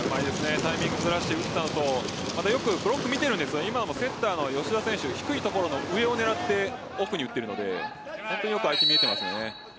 タイミングをずらして打ったのとまた、よくブロックを見ているんですが今もセッター・吉田選手低い所の上を狙って奥に打っているのでよく相手が見えていますよね。